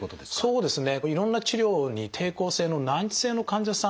そうですね。